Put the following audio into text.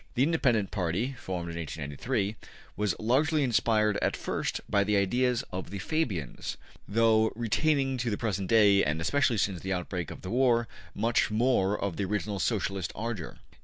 The Independent Labor Party (formed in 1893) was largely inspired at first by the ideas of the Fabians, though retaining to the present day, and especially since the outbreak of the war, much more of the original Socialist ardor.